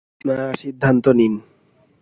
আপনারা সিদ্ধান্ত নিন।